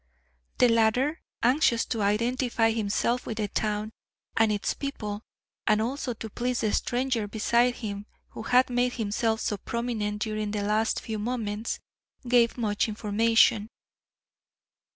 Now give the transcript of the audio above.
The latter, anxious to identify himself with the town and its people, and also to please the stranger beside him who had made himself so prominent during the last few moments, gave much information.